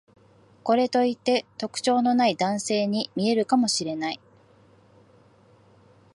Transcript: これといって特徴のない男性に見えるかもしれない